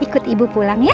ikut ibu pulang ya